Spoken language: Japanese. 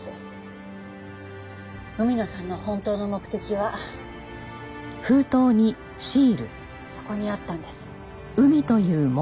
海野さんの本当の目的はそこにあったんです。